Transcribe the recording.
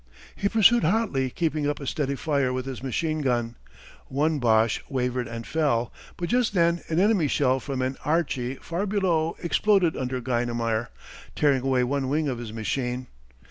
He pursued hotly keeping up a steady fire with his machine gun. One Boche wavered and fell, but just then an enemy shell from an "Archie" far below exploded under Guynemer, tearing away one wing of his machine.